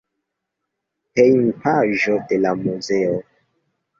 Hejmpaĝo de la muzeo.